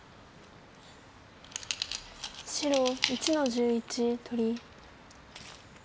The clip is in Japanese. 白１の十一取り。